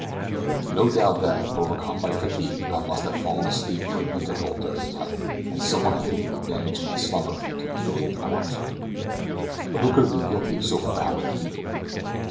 No doubt that, overcome by fatigue, I must have fallen asleep for an interval during the night, and some one had taken advantage of my slumber to mutilate the corpse. But who could have been guilty of so foul a deed?